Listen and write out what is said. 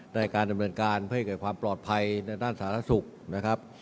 ในการดำเนินการเพื่อให้เกิดความปลอดภัยในด้านสาธารณสุขนะครับ